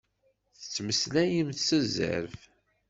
Tettmeslayemt s zzerb.